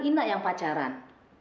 inna yang pacaran